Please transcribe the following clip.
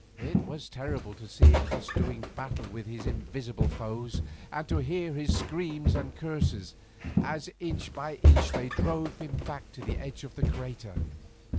It was terrible to see him thus doing battle with his invisible foes, and to hear his screams and curses, as inch by inch they drove him back to the edge of the crater.